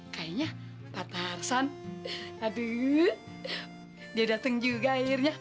kayaknya pak tarzan aduh dia dateng juga akhirnya